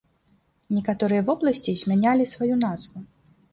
Некаторыя вобласці змянялі сваю назву.